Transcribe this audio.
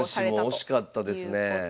男子も惜しかったですね。